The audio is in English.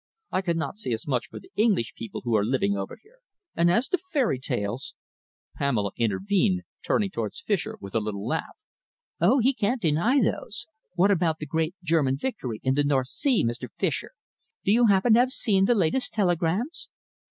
I cannot say as much for the English people who are living over here. And as to fairy stories " Pamela intervened, turning towards Fischer with a little laugh. "Oh, he can't even deny those! What about the great German victory in the North Sea, Mr. Fischer? Do you happen to have seen the latest telegrams?"